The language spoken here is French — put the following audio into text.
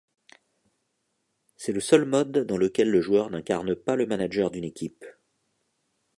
C'est le seul mode dans lequel le joueur n'incarne pas le manager d'une équipe.